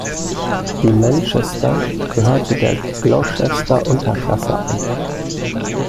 Die "Manchester" gehörte der Gloucester-Unterklasse an.